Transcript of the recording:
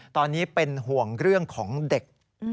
ตอนนี้เป็นห่วงเรื่องของเด็ก